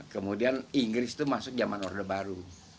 kemudian inggris itu masuk zaman orde baru